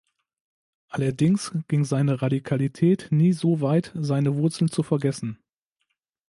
Allerdings ging seine Radikalität nie so weit, seine Wurzeln zu vergessen.